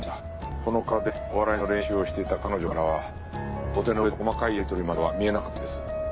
この河原でお笑いの練習をしていた彼女からは土手の上での細かいやりとりまでは見えなかったからです。